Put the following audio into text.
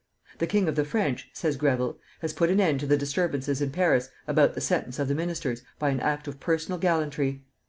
"The king of the French," says Greville, "has put an end to the disturbances in Paris about the sentence of the ministers by an act of personal gallantry.